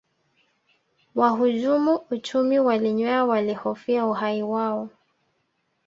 wahujumu uchumi walinywea walihofia uhai wao